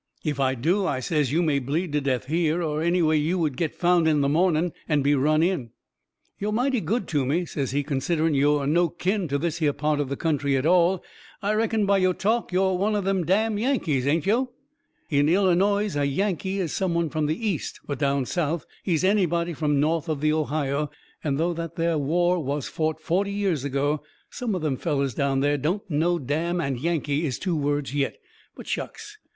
"If I do," I says, "you may bleed to death here: or anyway you would get found in the morning and be run in." "Yo' mighty good to me," says he, "considering yo' are no kin to this here part of the country at all. I reckon by yo' talk yo' are one of them damn Yankees, ain't yo'?" In Illinoise a Yankee is some one from the East, but down South he is anybody from north of the Ohio, and though that there war was fought forty years ago some of them fellers down there don't know damn and Yankee is two words yet. But shucks!